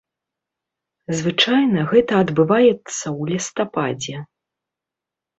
Звычайна гэта адбываецца ў лістападзе.